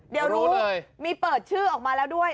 เดี๋ยวรู้มีเปิดชื่อออกมาแล้วด้วย